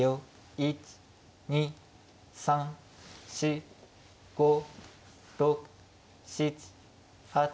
１２３４５６７８９。